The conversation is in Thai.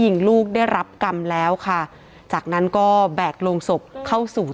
ยิงลูกได้รับกรรมแล้วค่ะจากนั้นก็แบกโรงศพเข้าสู่